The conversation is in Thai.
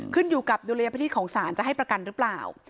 ขึ้นอยู่กับยุโรยีพระธิตของสารจะให้ประกันหรือเปล่า